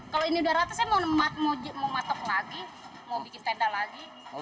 kalau ini udah rata saya mau matok lagi mau bikin tenda lagi